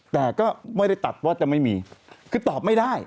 แต่ก็ไม่ได้ตัดว่าจะไม่มีคือตอบไม่ได้